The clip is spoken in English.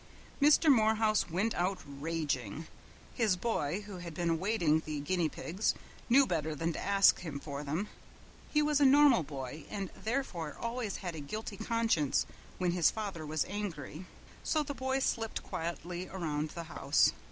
Mr. Morehouse went home raging. His boy, who had been awaiting the guinea pigs, knew better than to ask him for them. He was a normal boy and therefore always had a guilty conscience when his father was angry. So the boy slipped quietly around the house.